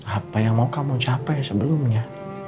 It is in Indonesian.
apa yang mau kamu capai sebelumnya